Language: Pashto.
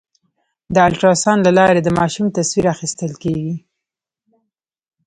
د الټراساونډ له لارې د ماشوم تصویر اخیستل کېږي.